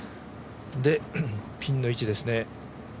で、ピンの位置ですね。